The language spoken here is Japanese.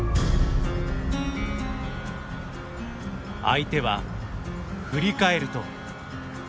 相手は振り返ると。